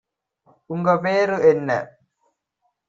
உங்க பேரு என்ன?